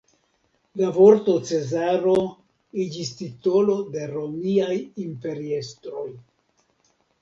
La vorto cezaro iĝis titolo de romiaj imperiestroj.